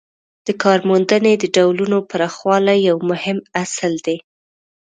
د کارموندنې د ډولونو پراخوالی یو مهم اصل دی.